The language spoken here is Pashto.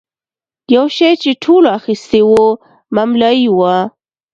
یو شی چې ټولو اخیستی و مملايي وه.